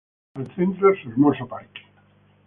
Al centro su hermoso parque.